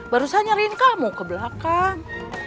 barusan nyariin kamu ke belakang